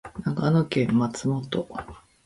長野県松本